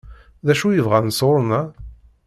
D acu i bɣan sɣur-neɣ?